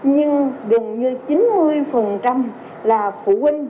nhưng gần như chín mươi là phụ huynh